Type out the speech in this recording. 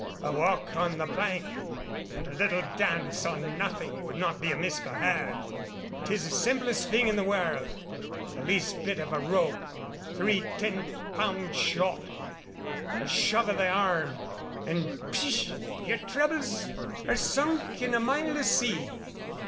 a walk on the plank, and a little dance on nothing would not be amiss for her. 'Tis the simplest thing in the world. The least bit of a rope, three ten pound shot, a shove of the arm, and spsh! your troubles are sunk in a mile of sea.